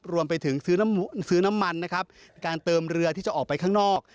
รวมไปถึงซื้อน้ำมันนะครับการเติมเรือที่จะออกไปข้างนอก